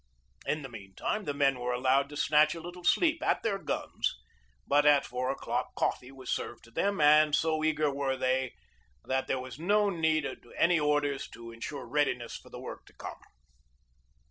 In the meantime the men were al lowed to snatch a little sleep at their guns; but at four o'clock coffee was served to them, and so eager were they that there was no need of any orders to insure readiness for the work to come.